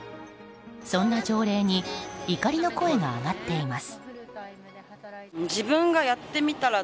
そんな条例に怒りの声が上がっています。